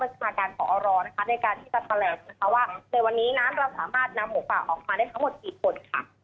ว่าในวันนี้น้ำเราสามารถนำหัวปากออกมาได้ทั้งหมดกี่คน